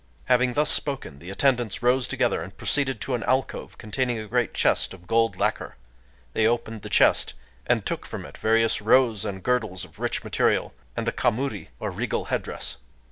Having thus spoken, the attendants rose together, and proceeded to an alcove containing a great chest of gold lacquer. They opened the chest, and took from it various robes and girdles of rich material, and a kamuri, or regal headdress.